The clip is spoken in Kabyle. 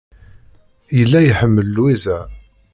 Yella iḥemmel Lwiza.